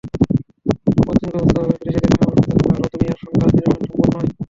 পশ্চিমকে বুঝতে হবে, বিদেশিদের সামরিক হস্তক্ষেপে আরব দুনিয়ার সংঘাত নিরসন সম্ভব নয়।